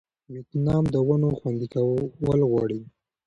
ویتنام د ونو خوندي کول غواړي.